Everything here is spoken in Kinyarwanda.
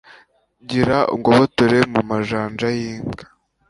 gira ungobotore mu majanja y'imbwa